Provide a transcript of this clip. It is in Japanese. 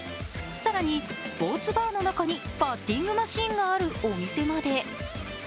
更にスポーツバーの中にバッティングマシーンがあるお店まで。